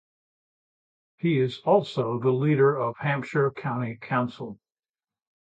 He is also the Leader of Hampshire County Council.